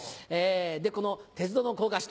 でこの鉄道の高架下